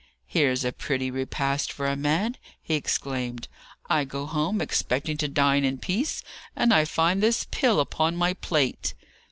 "Here's a pretty repast for a man!" he exclaimed. "I go home, expecting to dine in peace, and I find this pill upon my plate!"